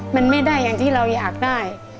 มันไม่ได้อย่างที่เราอยากได้